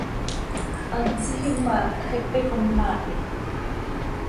Hant tsiijim ma, xepe com maahnij.